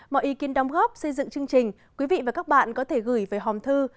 mọi ý kiến đồng góp xây dựng chương trình quý vị và các bạn có thể gửi về hòm thư